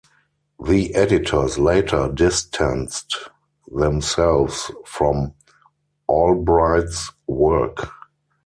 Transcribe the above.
The editors later distanced themselves from Albright's work.